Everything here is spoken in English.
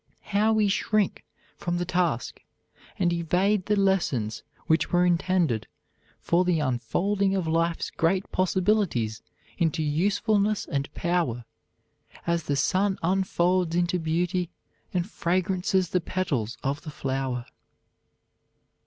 How we shrink from the task and evade the lessons which were intended for the unfolding of life's great possibilities into usefulness and power, as the sun unfolds into beauty and fragrance the petals of the flower!